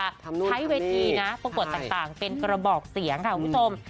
ใช้เวทีนะปรากฏต่างเป็นกระบอกเสียงค่ะคุณผู้ชม